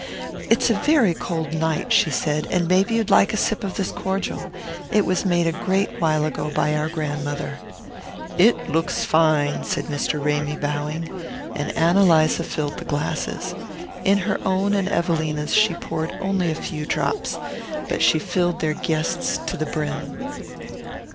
"It's a very cold night," she said, "and maybe you'd like a sip of this cordial. It was made a great while ago by our grandmother." "It looks fine," said Mr. Ramy bowing, and Ann Eliza filled the glasses. In her own and Evelina's she poured only a few drops, but she filled their guest's to the brim.